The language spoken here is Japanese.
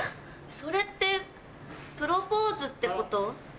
それってプロポーズってこと？